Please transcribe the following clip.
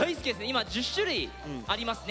今１０種類ありますね